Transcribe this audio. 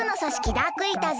ダークイーターズ